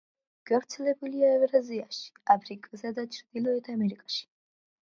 გავრცელებულია ევრაზიაში, აფრიკასა და ჩრდილოეთ ამერიკაში.